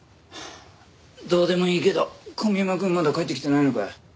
どうでもいいけど小宮山くんまだ帰ってきてないのかよ。